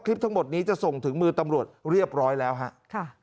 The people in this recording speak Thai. ทั้งหมดนี้จะส่งถึงมือตำรวจเรียบร้อยแล้วฮะ